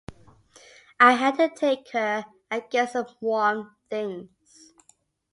I had to take her and get some warm things.